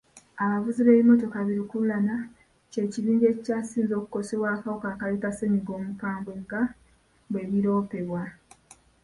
Abavuzi b'ebimmotoka bi lukululana ky'ekibinja ekikyasinze okukosebwa akawuka akaleeta ssennyiga omukambwe nga bwe biroopebwa.